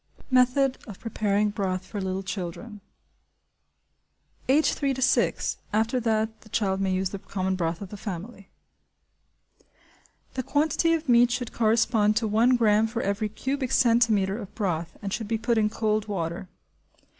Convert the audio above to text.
Method of Preparing Broth for Little Children. (Age three to six; after that the child may use the common broth of the family.) The quantity of meat should correspond to 1 gramme for every cubic centimetre of broth and should be put in cold water.